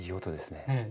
ねえ。